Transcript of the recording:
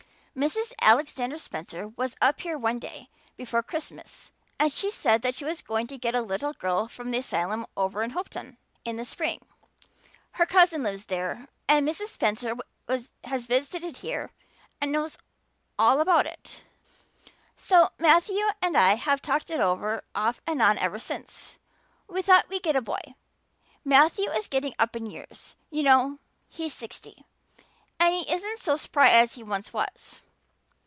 "Mrs. Alexander Spencer was up here one day before Christmas and she said she was going to get a little girl from the asylum over in Hopeton in the spring. Her cousin lives there and Mrs. Spencer has visited here and knows all about it. So Matthew and I have talked it over off and on ever since. We thought we'd get a boy. Matthew is getting up in years, you know he's sixty and he isn't so spry as he once was.